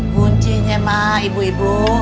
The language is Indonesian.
guncinya mah ibu ibu